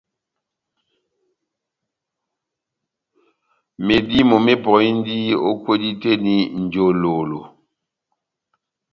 Medímo mepɔhindi o kwedi tɛh eni njololo